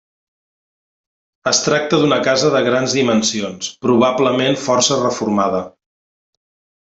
Es tracta d'una casa de grans dimensions, probablement força reformada.